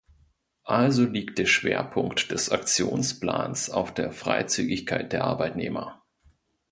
Also liegt der Schwerpunkt des Aktionsplans auf der Freizügigkeit der Arbeitnehmer.